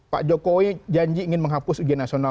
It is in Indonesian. pak jokowi janji ingin menghapus ujian nasional